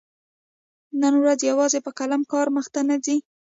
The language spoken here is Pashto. نن ورځ يوازي په قلم کار مخته نه ځي.